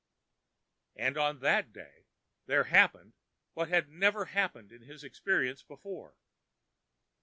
And on that day there happened what had never happened in his experience before.